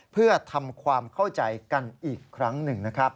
เพื่อทำความเข้าใจกันอีกครั้งหนึ่งนะครับ